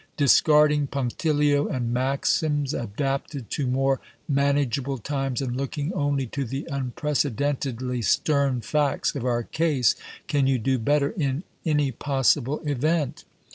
Dis carding punctiUo and maxims adapted to more manage able times, and looking only to the unprecedentedly stern facts of our case, can you do better in any possible event